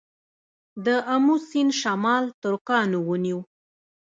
د امو سیند شمال ترکانو ونیو